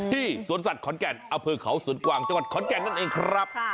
สวนสัตว์ขอนแก่นอำเภอเขาสวนกวางจังหวัดขอนแก่นนั่นเองครับ